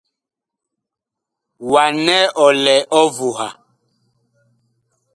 Wa nɛ ɔ lɛ ɔvuha.